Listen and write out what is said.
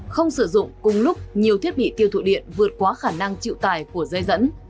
không sử dụng cùng lúc nhiều thiết bị tiêu thụ điện vượt quá khả năng chịu tài của dây dẫn